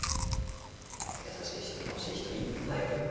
優しい人楽しい人いっぱいおる。